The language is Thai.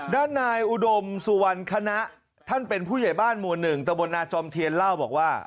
ด้านนายอุดมสุวรรณคณะท่านเป็นผู้ใหญ่บ้านหมู่๑ตะบลนาจอมเทียนเล่าบอกว่า